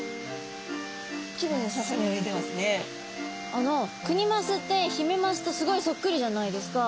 あのクニマスってヒメマスとすごいそっくりじゃないですか。